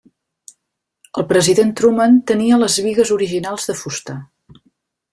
El president Truman tenia les bigues originals de fusta.